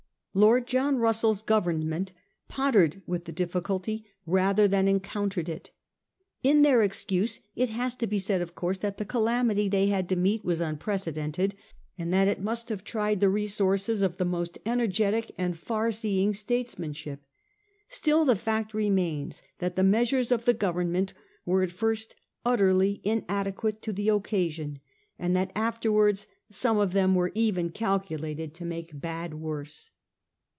Lord John Russell's Government pottered with the difficulty rather than encountered it. In their excuse it has to he said of course that the calamity they had to meet was unprecedented and that it must have tried the resources of the most energetic and foreseeing states manship. Still the fact remains that the measures of the Government were at first utterly inadequate' to the occasion, and that afterwards some of them were even calculated to make had worse.